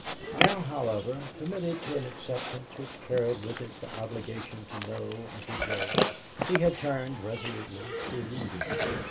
Now, however, committed to an acceptance which carried with it the obligation to know and to judge, he had turned resolutely to reading.